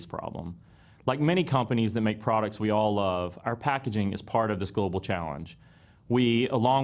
seperti banyak perusahaan yang membuat produk yang kita suka pengisian plastik adalah bagian dari tantangan global ini